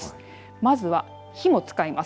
まずは火も使います。